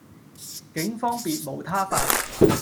警方別無他法